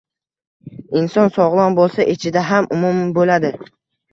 Inson sog‘lom bo‘lsa, ishida ham unum bo‘ladi